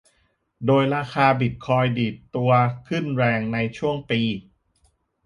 โดยราคาบิตคอยน์ดีดตัวขึ้นแรงในช่วงปี